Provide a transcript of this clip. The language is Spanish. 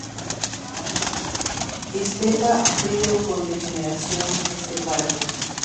Estepa frío con degeneración esteparia.